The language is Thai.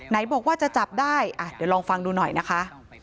ไหนบอกว่าจะจับได้เดี๋ยวลองฟังดูหน่อยนะคะ